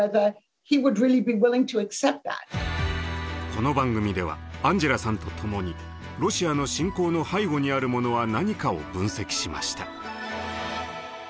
この番組ではアンジェラさんとともにロシアの侵攻の背後にあるものは何かを分析しました。